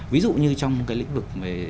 ví dụ như trong lĩnh vực